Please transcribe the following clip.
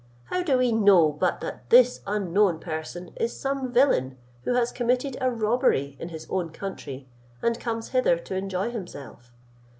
How do we know but that this unknown person is some villain, who has committed a robbery in his own country, and comes hither to enjoy himself?